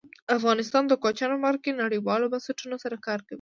افغانستان د کوچیان په برخه کې نړیوالو بنسټونو سره کار کوي.